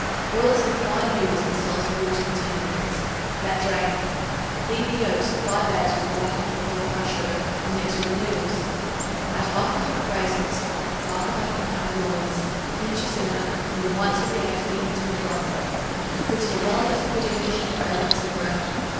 Boil some fine noodles in salted water for ten minutes; let drain. Beat the yolks of 5 eggs with 1 cup of pulverized sugar and mix with the noodles. Add 1/2 cup of raisins, 1/2 cup of pounded almonds, a pinch of cinnamon and the whites of the eggs beaten to a froth. Put in a well buttered pudding dish and bake until brown.